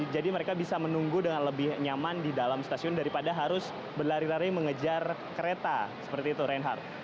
jadi mereka bisa menunggu dengan lebih nyaman di dalam stasiun daripada harus berlari lari mengejar kereta seperti itu reinhardt